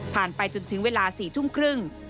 ไปจนถึงเวลา๔ทุ่มครึ่ง